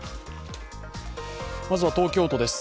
まずは東京都です。